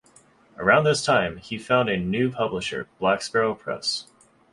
Around this time, he found a new publisher, Black Sparrow Press.